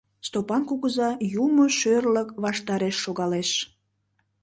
Стопан кугыза юмо шӧрлык ваштареш шогалеш.